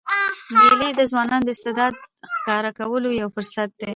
مېلې د ځوانانو د استعدادو ښکاره کولو یو فرصت يي.